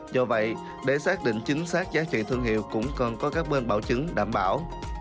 do vậy để xác định chính xác giá trị thương hiệu cũng cần có các bên bảo chứng đảm bảo